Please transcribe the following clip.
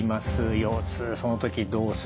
「腰痛そのときどうする？」。